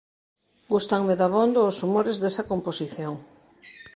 Gústanme dabondo os humores desa composición.